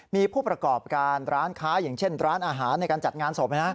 มีผู้ประกอบการร้านค้าอย่างเช่นร้านอาหารในการจัดงานศพ